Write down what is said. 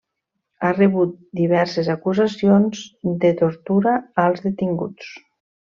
Ha rebut diverses acusacions de tortura als detinguts.